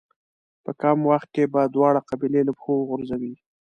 په کم وخت کې به دواړه قبيلې له پښو وغورځوو.